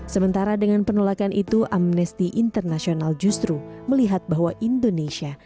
sementara dengan penolakan itu amnesty international justru melihat bahwa indonesia